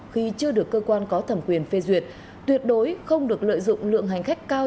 khi chưa được cơ quan có thẩm quyền phê duyệt tuyệt đối không được lợi dụng lượng hành khách cao